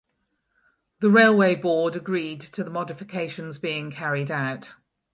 The Railway Board agreed to the modifications being carried out.